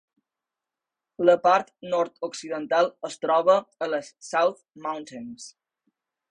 La part nord-occidental es troba a les South Mountains.